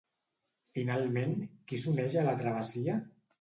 Finalment, qui s'uneix a la travessia?